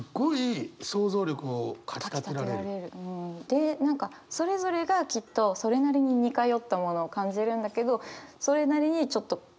で何かそれぞれがきっとそれなりに似通ったものを感じるんだけどそれなりにちょっと個人差もありそうな。